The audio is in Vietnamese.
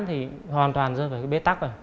thì hoàn toàn rơi vào cái bế tắc rồi